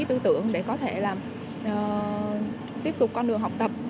tư tưởng để có thể là tiếp tục con đường học tập